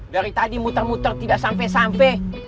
dari tadi muter muter tidak sampe sampe